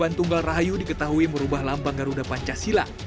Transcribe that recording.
pembuatan pembunuhan rupiah di raya jawa barat